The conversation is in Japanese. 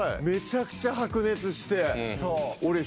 めちゃくちゃ白熱して俺。